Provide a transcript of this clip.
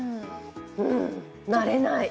うーん、慣れない。